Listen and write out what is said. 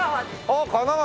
ああ神奈川！